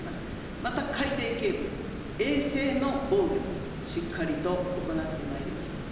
また海底ケーブル、衛星の防御、しっかりと行ってまいります。